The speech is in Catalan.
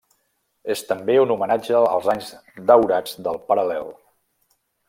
És també un homenatge als anys daurats del Paral·lel.